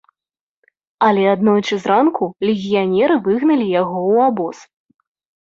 Але аднойчы зранку легіянеры выгналі яго ў абоз.